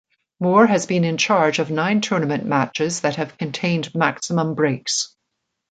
Moore has been in charge of nine tournament matches that have contained maximum breaks.